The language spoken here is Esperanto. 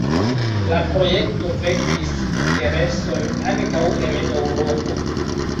La projekto vekis intereson ankaŭ en Eŭropo.